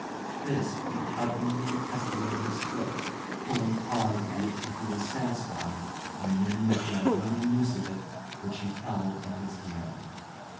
This he tightened and tested with his foot, pulling hard at it till he was satisfied and then making a running noose of it, which he held in his hand.